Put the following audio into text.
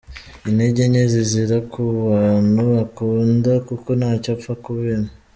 Intege nke zizira ku bantu akunda kuko ntacyo apfa kubima.